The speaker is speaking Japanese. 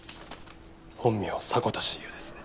本名迫田茂夫ですね。